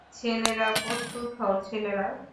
ছেলেরা-- - প্রস্তুত হও, ছেলেরা!